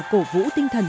cổ vũ tinh thần